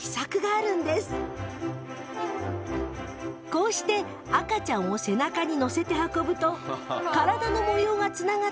こうして赤ちゃんを背中に乗せて運ぶと体の模様がつながってほら！